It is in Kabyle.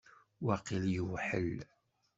Waqil yewḥel.